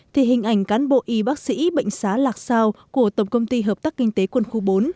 thì hình ảnh cán bộ y bác sĩ bệnh xá lạc sao của tổng công ty hợp tác kinh tế quân khu bốn